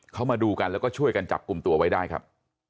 เขามาดูกันแล้วก็ช่วยกันจับกลุ่มตัวไว้ได้ครับ